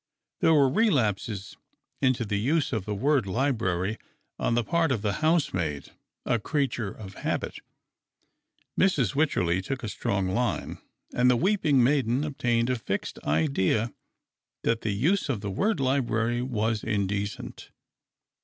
There were relapses into the use of the word "library" on the part of the housemaid — a creature of habit ; Mrs. Wycherley took a strong line, and the weeping maiden obtained a fixed idea that the use of the word " library " was indecent.